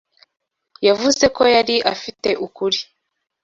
Yavuze ko yari afite ukuri.